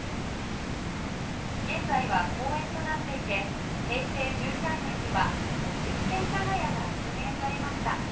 現在は公園となっていて平成１３年には五十間長屋が復元されました